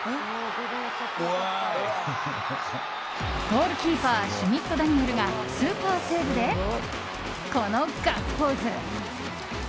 ゴールキーパーシュミット・ダニエルがスーパーセーブでこのガッツポーズ。